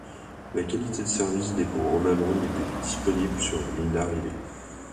La qualité de service dépend en amont du débit disponible sur la ligne d'arrivée.